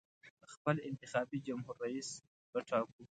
خپل انتخابي جمهور رییس به ټاکو.